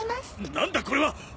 何だこれは！